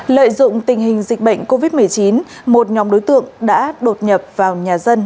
lợi dụng tình hình dịch bệnh covid một mươi chín một nhóm đối tượng đã đột nhập vào nhà dân